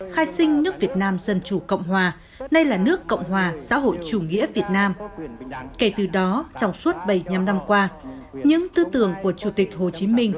kể từ đó trong suốt bảy mươi năm năm qua những tư tưởng của chủ tịch hồ chí minh